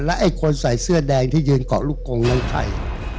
ไอ้คนใส่เสื้อแดงที่ยืนเกาะลูกกงนั้นใคร